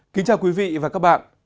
kính chào quý vị và các bạn